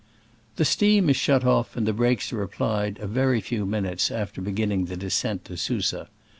The steam is shut off and the brakes are applied a very few minutes after be ginning the descent to Susa.